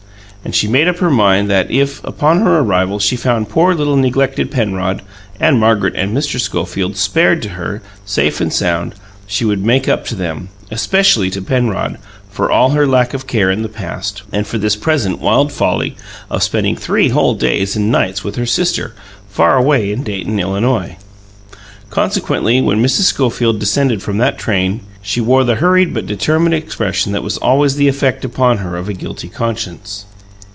And she made up her mind that if, upon her arrival, she found poor little neglected Penrod (and Margaret and Mr. Schofield) spared to her, safe and sound, she would make up to them especially to Penrod for all her lack of care in the past, and for this present wild folly of spending three whole days and nights with her sister, far away in Dayton, Illinois. Consequently, when Mrs. Schofield descended from that train, she wore the hurried but determined expression that was always the effect upon her of a guilty conscience.